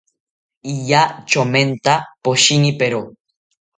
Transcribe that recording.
Iya chomenta poshinipero